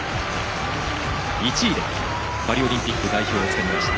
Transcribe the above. １位でパリオリンピック代表をつかみました。